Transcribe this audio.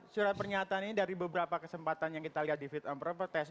surat pernyataan ini dari beberapa kesempatan yang kita lihat di fit on properties